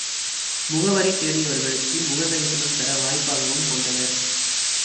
முகவரி தேடியவர்களுக்கு முகதரிசனம் தர வாய்ப்பாகவும் கொண்டனர்.